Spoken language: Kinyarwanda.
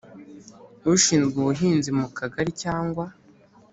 Ushinzwe ubuhinzi mu kagari cyangwa